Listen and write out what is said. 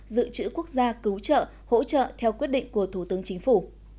dự trữ quốc gia cứu trợ hỗ trợ theo quyết định của thủ tướng chính phủ